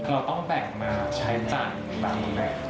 เราต้องแบ่งมาใช้จ่ายบางแบบ